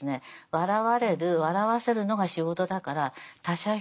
笑われる笑わせるのが仕事だから他者評価がすべて。